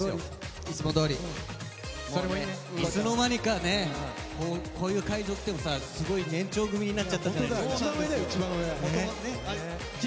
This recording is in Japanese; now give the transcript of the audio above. いつの間にかねこういう会場に来ても年長組になっちゃったじゃないですか。